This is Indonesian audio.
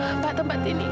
apa tempat ini